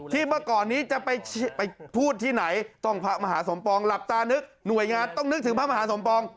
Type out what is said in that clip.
เมื่อก่อนนี้จะไปพูดที่ไหนต้องพระมหาสมปองหลับตานึกหน่วยงานต้องนึกถึงพระมหาสมปอง